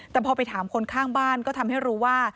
แต่พอไปถามคนข้างบ้านก็ทำให้รู้ว่า